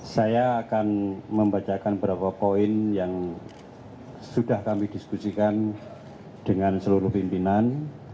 saya akan membacakan beberapa poin yang sudah kami diskusikan dengan seluruh pimpinan